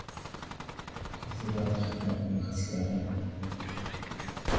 کسی را از خدمت خرخص کردن